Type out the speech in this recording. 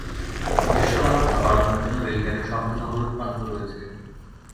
দৃশ্যমানতা বাড়ানোর জন্য রেলগাড়ির সম্পূর্ণ হলুদ প্রান্ত রয়েছে।